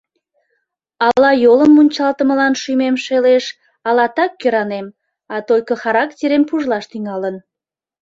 Ала йолын мунчалтымылан шӱмем шелеш, ала так кӧранем, а только характерем пужлаш тӱҥалын.